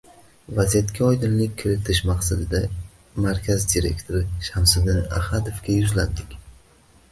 Vaziyatga oydinlik kiritish maqsadida markaz direktori Shamsiddin Ahadovga yuzlandik